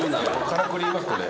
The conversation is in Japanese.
からくり言いますとね。